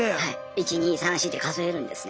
１２３４って数えるんですね。